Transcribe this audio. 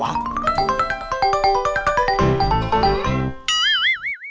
กระดูก